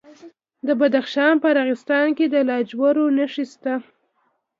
د بدخشان په راغستان کې د لاجوردو نښې شته.